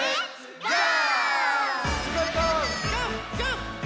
ゴー！